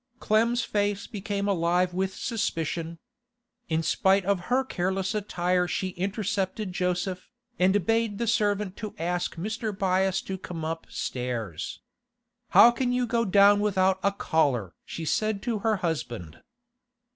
Clem's face became alive with suspicion. In spite of her careless attire she intercepted Joseph, and bade the servant ask Mr. Byass to come upstairs. 'How can you go down without a collar?' she said to her husband.